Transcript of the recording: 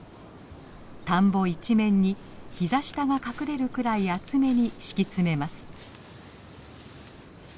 田んぼ一面に膝下が隠れるくらい厚めに敷き詰めます。